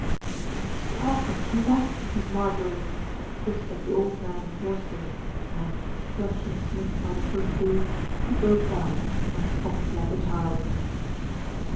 "It's Mr. Alfred come back, Miss Marjorie," whis pered the old man hoarsely and, clutching Smith by the coat sleeve, he broke down and sobbed like a child.